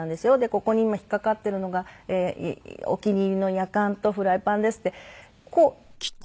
「ここに今引っかかっているのがお気に入りのやかんとフライパンです」ってこういうふうに見せ。